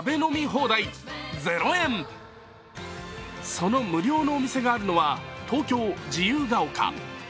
その無料のお店があるのは東京・自由が丘。